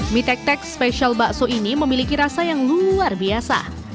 mie tek tek spesial bakso ini memiliki rasa yang luar biasa